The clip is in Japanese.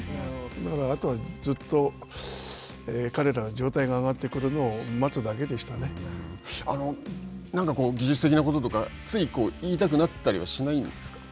だから、あとはずっと彼らの状態が上がってくるのを待つだけでしなんか技術的なこととか、つい言いたくなったりはしないんですか。